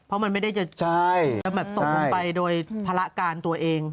เพราะมันไม่ได้จะแบบตกลงไปโดยภาระการตัวเอง